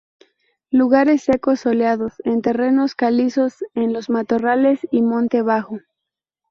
Lugares secos soleados, en terrenos calizos, en los matorrales y monte bajo.